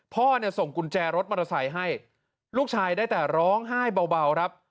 พ่อเนี่ยส่งกุญแจรถมอเตอร์ไซค์ให้ลูกชายได้แต่ร้องไห้เบาครับ